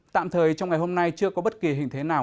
tạm thời trong ngày hôm nay chưa có bất kỳ hình thế nào